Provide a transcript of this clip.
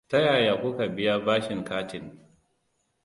Ta yaya kuka biya bashin katin?